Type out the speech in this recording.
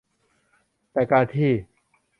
แต่การที่